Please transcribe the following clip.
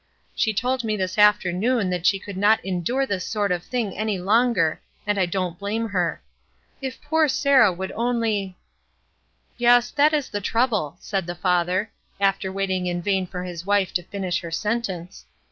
She told me this after noon that she could not endure this sort o thmg any longer, and I don't blame her. If poor Sarah would only —" "Yes, that is the trouble," said the father, after waiting in vain for his wife to finish her sentence.